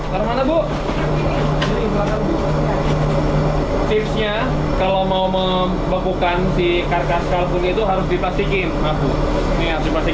tanpa jalur dan sejenisistical misinformation